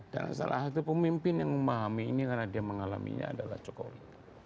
dan salah satu pemimpin yang memahami ini karena dia mengalaminya adalah jokowi